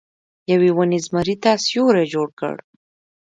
یوې ونې زمري ته سیوری جوړ کړ.